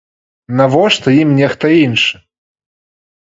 Навошта ім нехта іншы!